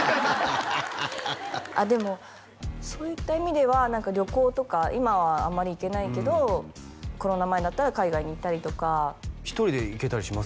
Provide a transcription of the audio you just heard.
でもそういった意味では旅行とか今はあまり行けないけどコロナ前だったら海外に行ったりとか一人で行けたりします？